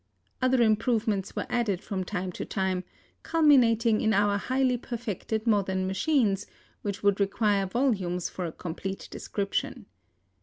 Other improvements were added from time to time, culminating in our highly perfected modern machines, which would require volumes for a complete description.